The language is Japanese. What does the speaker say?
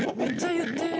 言ってる？